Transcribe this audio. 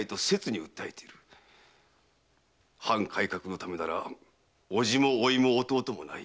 藩改革のためなら伯父も甥も弟もない。